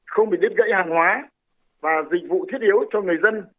không bị đứt gãy hàng hóa và dịch vụ thiết yếu cho người dân